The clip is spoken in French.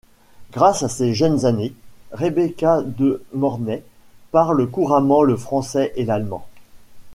Grâce à ses jeunes années, Rebecca De Mornay parle couramment le français et l'allemand.